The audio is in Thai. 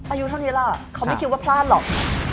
อายุเท่านี้ล่ะเขาไม่คิดว่าพลาดหรอก